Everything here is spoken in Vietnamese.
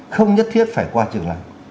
không nhất thiết phải qua trường này